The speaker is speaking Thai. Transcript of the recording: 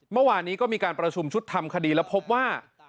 เมื่อวานนี้ก็มีการประชุมชุดทำคดีแล้วพบว่า